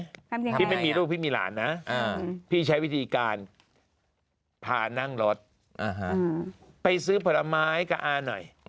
ทำยังไงพี่ไม่มีลูกพี่มีหลานนะพี่ใช้วิธีการพานั่งรถไปซื้อผลไม้กับอาหน่อย